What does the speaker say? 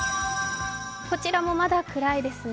こちらもまだ暗いですね。